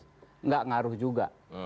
tidak ngaruh juga